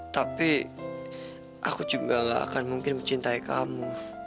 tapi aku juga gak akan mungkin mencintai kamu